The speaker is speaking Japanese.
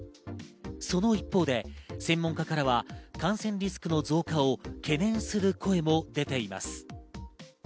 その一方で、専門家からは感染リスクの増加を懸念する声も出ています。